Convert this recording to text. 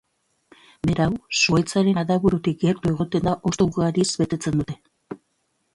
Berau zuhaitzaren adaburutik gertu egoten da hosto ugariz betetzen dute.